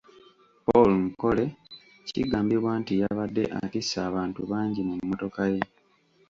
Paul Nkore kigambibwa nti yabadde atisse abantu bangi mu mmotoka ye.